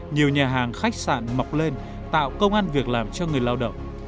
nhiều nhà hàng khách sạn mọc lên tạo công an việc làm cho người lao động